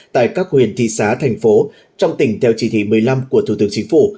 tại các huyện thị xá thành phố trong tỉnh theo chỉ thị một mươi năm của thủ tướng chính phủ